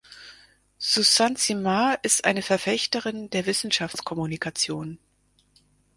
Suzanne Simard ist eine Verfechterin der Wissenschaftskommunikation.